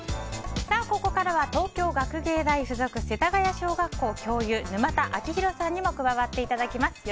ここからは、東京学芸大学付属世田谷小学校教諭沼田晶弘先生にも加わっていただきます。